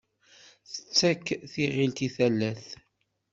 Tettak tiɣilt i talat.